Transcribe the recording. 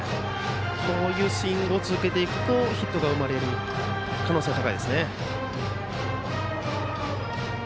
こういうスイングを続けていくとヒットが生まれる可能性が高いですね。